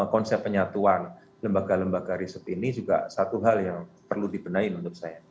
konsep penyatuan lembaga lembaga riset ini juga satu hal yang perlu dibenahi menurut saya